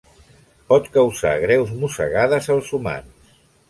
Pot causar greus mossegades als humans.